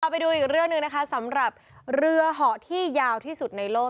ไปดูอีกเรื่องหนึ่งนะคะสำหรับเรือเหาะที่ยาวที่สุดในโลก